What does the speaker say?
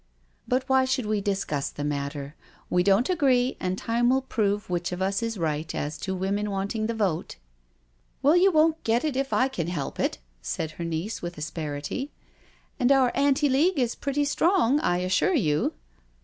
But why should we discuss the matter? We don't agree, and time will prove which of us is right as to women wanting the vote." " Well, you won't get it if I can help it," said her niece with asperity, " and our Anti League is pretty strong, I assure you.